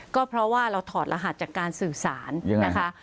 ก็เพราะว่าเราถอดรหัสจากการสื่อสารนะคะ